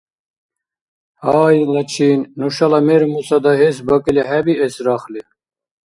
Гьай, лачин, нушала мер-муса дагьес бакӀили хӀебиэс рахли.